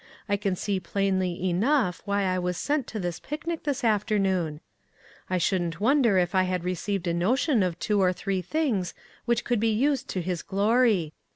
I can see plainly enough why I was sent to this picnic this afternoon. I shouldn't wonder if I had received a notion of two or three things which could be used to His glory.